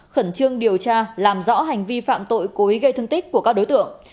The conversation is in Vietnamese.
khẩn trương điều tra làm rõ hành vi phạm tội cố ý gây thương tích của các đối tượng